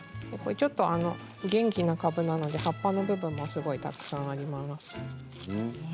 ちょっと元気な、かぶなので葉っぱの部分もたくさんあります。